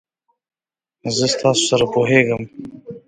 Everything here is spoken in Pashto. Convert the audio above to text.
زه ستاسو سره پوهیږم.